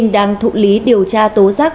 đang thụ lý điều tra tố giác